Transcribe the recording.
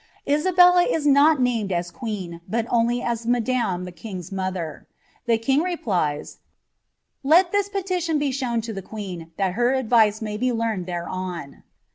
Isabella is not named as queen, but only a> e the kiug''s mother ; the king replies, Let this petition be shown to the queen, thai her advice may be learned thereon."